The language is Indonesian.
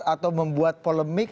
atau membuat polemik